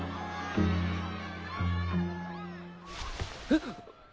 えっ。